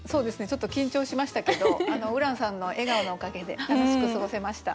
ちょっと緊張しましたけどＵｒａＮさんの笑顔のおかげで楽しく過ごせました。